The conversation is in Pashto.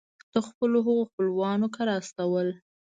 د خپلو هغو خپلوانو کره استول.